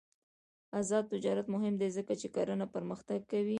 آزاد تجارت مهم دی ځکه چې کرنه پرمختګ کوي.